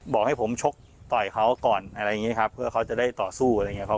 ผมไม่ทำก็ถอยจนสุดนู้นเลยครับ